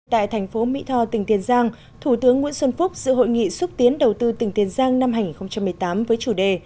tại thành phố mỹ tho tỉnh tiền giang thủ tướng nguyễn xuân phúc dự hội nghị xúc tiến đầu tư tỉnh tiền giang năm hai nghìn một mươi tám với chủ đề